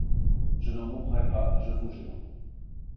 Je n'en mourrai pas, je vous jure.